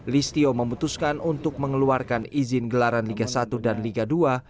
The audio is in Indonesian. listio memutuskan untuk mengeluarkan izin gelaran liga satu dan liga dua dua ribu dua puluh satu dua ribu dua puluh dua